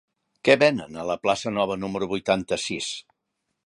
Què venen a la plaça Nova número vuitanta-sis?